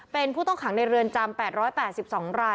เป็นผู้ต้องขังในเรือนจำ๘๘๒ราย